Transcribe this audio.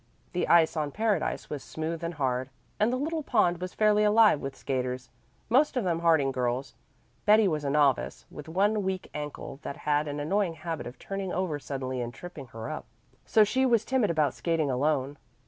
The ice on Paradise was smooth and hard, and the little pond was fairly alive with skaters, most of them Harding girls. Betty was a novice, with one weak ankle that had an annoying habit of turning over suddenly and tripping her up; so she was timid about skating alone.